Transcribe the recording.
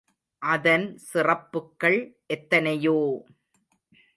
அதன் சிறப்புக்கள் எத்தனையோ!